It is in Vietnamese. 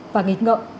và nghịch ngợm